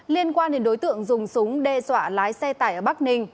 liên quan đến đối tượng dùng súng đe dọa lái xe tải ở bắc ninh